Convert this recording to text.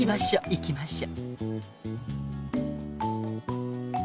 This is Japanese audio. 行きましょ。